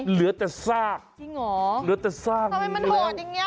เหลือแต่ซากจริงเหรอเหลือแต่ซากทำไมมันโหดอย่างเงี้